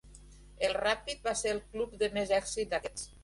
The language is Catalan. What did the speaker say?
El Rapid va ser el club de més èxit d'aquests.